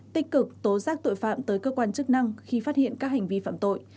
tích cực tố giác tội phạm tới cơ quan chức năng khi phát hiện các hành vi phạm tội